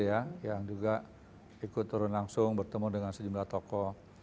yang juga ikut turun langsung bertemu dengan sejumlah tokoh